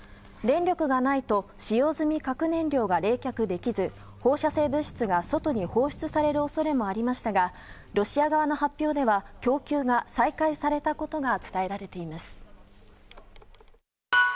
電力がないと使用済み核燃料が冷却できず放射性物質が外に放出される恐れもありましたがロシア側の発表では供給が再開されたことが伝えられています。